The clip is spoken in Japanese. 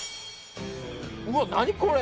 うわっ何これ？